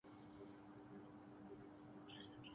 عجیب ملک ہم نے بنا دیا ہے۔